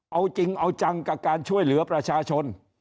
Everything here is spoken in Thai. เอาจริงเอาจังกับการช่วยเหลือประชาชน